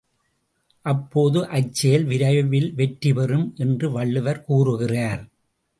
அப்போது அச் செயல் விரைவில் வெற்றிபெறும் என்று வள்ளுவர் கூறுகிறார்.